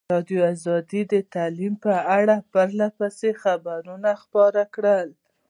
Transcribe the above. ازادي راډیو د تعلیم په اړه پرله پسې خبرونه خپاره کړي.